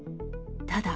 ただ。